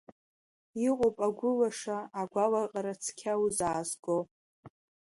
Иҟоуп агәы лаша, агәалаҟара цқьа узаазго.